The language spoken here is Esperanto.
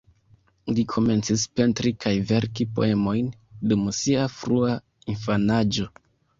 Li komencis pentri kaj verki poemojn dum sia frua infanaĝo.